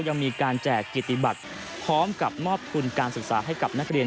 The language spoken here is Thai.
ยังมีการแจกกิติบัติพร้อมกับมอบทุนการศึกษาให้กับนักเรียน